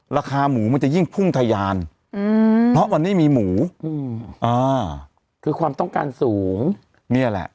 ราคาหมูมันจะยิ่งพุ่งทะยานเพราะวันนี้มีหมูอืมอ่าคือความต้องการสูงนี่แหละ